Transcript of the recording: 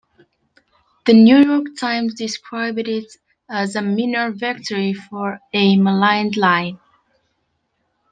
The "New York Times" described it as a "minor victory" for "a maligned line.